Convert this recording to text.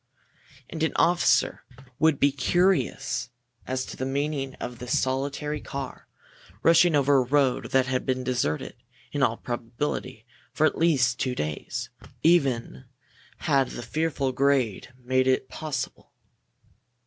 And an officer would be curious as to the meaning of this solitary car, rushing over a road that had been deserted, in all probability, for at least two days. No, there could be no slowing down, even had the fearful grade made it possible.